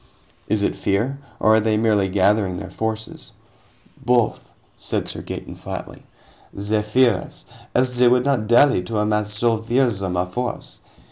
"Is it fear, or are they merely gathering their forces?" "Both," said Sir Gaeton flatly. "They fear us, else they would not dally to amass so fearsome a force.